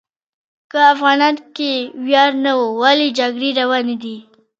که افغانیت کې ویاړ نه و، ولې جګړې روانې دي؟